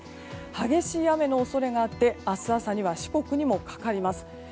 激しい雨の恐れがあって明日朝には四国にもかかります。